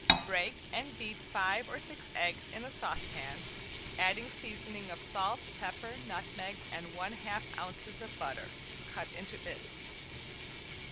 Break and beat five or six eggs in a saucepan, adding seasoning of salt, pepper, nutmeg and one half ounces of butter cut into bits.